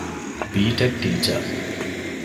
ބީޓެކް ޓީޗަރ